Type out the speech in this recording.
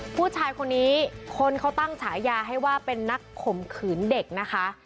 ผู้ชายคนนี้คนเขาตั้งฉายาให้ว่าเป็นนักข่มขืนเด็กนะคะ